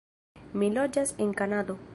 Mi loĝas en Kanado.